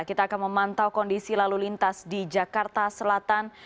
kita akan memantau kondisi lalu lintas di jakarta selatan